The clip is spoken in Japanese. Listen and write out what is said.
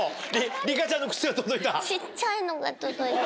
リカちゃんの靴が届いた。